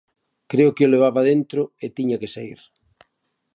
Creo que o levaba dentro e tiña que saír.